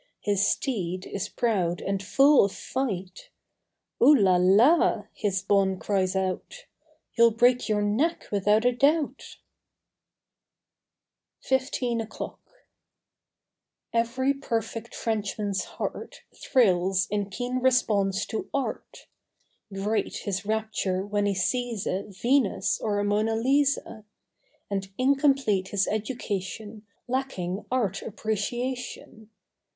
His steed is proud and full of fight. ''Oo la la!" His bonne cries out— "You'll break your neck without a doubt!" 33 . I A FOURTEEN O'CLOCK 35 FIFTEEN O'CLOCK E very perfect Frenchman's heart Thrills in keen response to Art. Great his rapture when he sees a Venus or a Mona Lisa; And incomplete his education Lacking Art Appreciation.